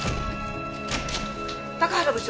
高原部長。